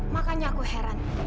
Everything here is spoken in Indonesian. makanya aku heran